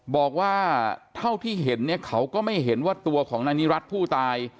บอกว่าเท่าที่เห็นเนี่ยเขาก็ไม่เห็นว่าตัวของนายนิรัติผู้ตาย